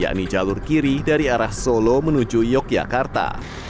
yakni jalur kiri dari arah solo menuju yogyakarta